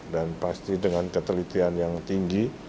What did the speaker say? dan pasti dengan ketelitian yang tinggi